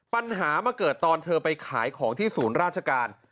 ปัญหามาเกิดตอนเธอไปขายของที่ศูนย์ราชการ